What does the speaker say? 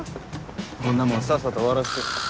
こんなもんさっさと終わらして。